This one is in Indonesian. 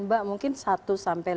mbak mungkin satu sampai lima